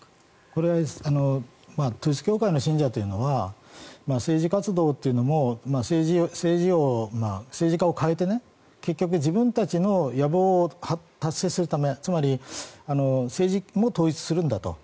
これは統一教会の信者というのは政治活動というのを政治家を代えて結局、自分たちの野望を達成するためつまり、政治も統一するんだと。